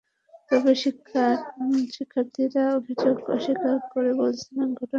তবে শিক্ষার্থীরা অভিযোগ অস্বীকার করে বলেছেন, ঘটনার প্রতিবাদে তাঁরা কর্মসূচি দেবেন।